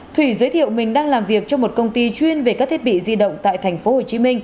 thủy giới thiệu mình đang làm việc trong một công ty chuyên về các thiết bị di động tại tp hcm